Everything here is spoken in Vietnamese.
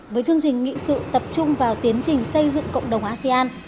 với chương trình nghị sự tập trung vào tiến trình xây dựng cộng đồng asean